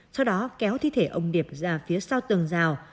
sau đó kéo thi thể ông điệp ra phía sau tường rào